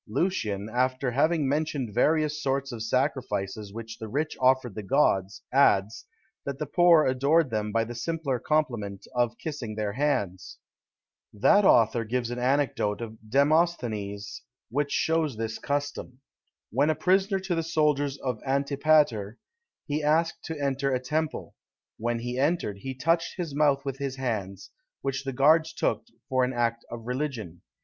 Lucian, after having mentioned various sorts of sacrifices which the rich offered the gods, adds, that the poor adored them by the simpler compliment of kissing their hands. That author gives an anecdote of Demosthenes, which shows this custom. When a prisoner to the soldiers of Antipater, he asked to enter a temple. When he entered, he touched his mouth with his hands, which the guards took for an act of religion.